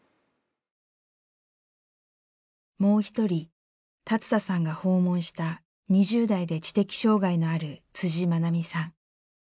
もう一人龍田さんが訪問した２０代で知的障害のある愛美さん。